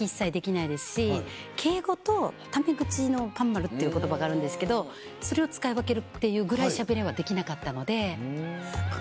敬語とタメ口のパンマルっていう言葉があるんですけどそれを使い分けるっていうぐらいしゃべりはできなかったので。